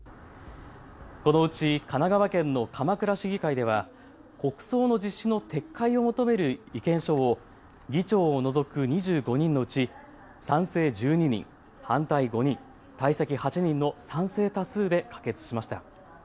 このうち神奈川県の鎌倉市議会では国葬の実施の撤回を求める意見書を議長を除く２５人のうち賛成１２人、反対５人、退席８人の賛成多数で可決しました。